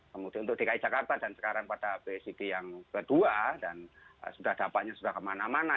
kemudian untuk dki jakarta dan sekarang pada psbb yang kedua dan sudah dapatnya sudah kemana mana